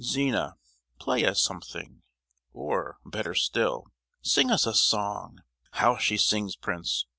"Zina, play us something, or—better still, sing us a song! How she sings, prince!